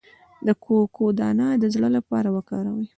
د کوکو دانه د زړه لپاره وکاروئ